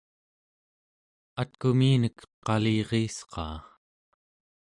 atkuminek qaliriisqaa